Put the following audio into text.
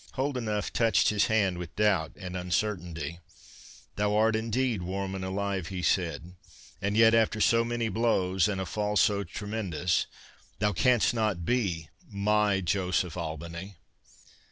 Holdenough touched his hand with doubt and uncertainty. "Thou art indeed warm and alive," he said, "and yet after so many blows, and a fall so tremendous—thou canst not be my Joseph Albany."